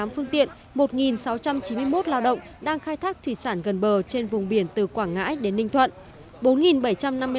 một mươi tám phương tiện một sáu trăm chín mươi một lao động đang khai thác thủy sản gần bờ trên vùng biển từ quảng ngãi đến ninh thuận